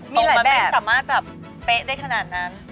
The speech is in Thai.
มันไม่สามารถแป๊ะได้ขนาดนั้น